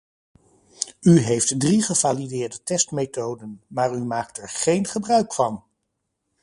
U heeft drie gevalideerde testmethoden, maar u maakt er geen gebruik van!